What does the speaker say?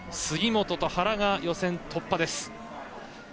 杉本と原が予選突破です。